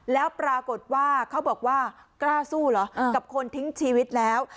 แล้วปรากฏว่าเขาบอกว่ากล้าสู้เหรอกับคนทิ้งชีวิตแล้ว